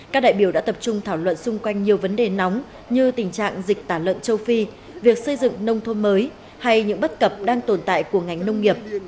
các đại biểu đã tập trung thảo luận xung quanh nhiều vấn đề nóng như tình trạng dịch tả lợn châu phi việc xây dựng nông thôn mới hay những bất cập đang tồn tại của ngành nông nghiệp